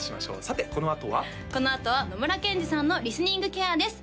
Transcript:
さてこのあとはこのあとは野村ケンジさんのリスニングケアです